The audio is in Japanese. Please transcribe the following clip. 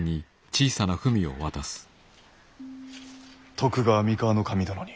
徳川三河守殿に。